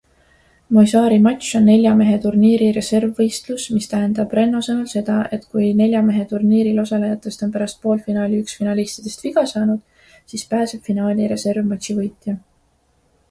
Moisari matš on neljameheturniiri reservvõitlus, mis tähendab Renno sõnul seda, et kui neljameheturniiril osalejatest on pärast poolfinaali üks finalistidest viga saanud, siis pääseb finaali reservmatši võitja.